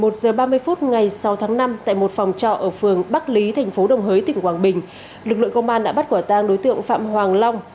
một giờ ba mươi phút ngày sáu tháng năm tại một phòng trọ ở phường bắc lý thành phố đồng hới tỉnh quảng bình lực lượng công an đã bắt quả tang đối tượng phạm hoàng long